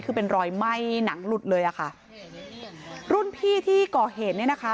คือเป็นรอยไหม้หนังหลุดเลยอ่ะค่ะรุ่นพี่ที่ก่อเหตุเนี่ยนะคะ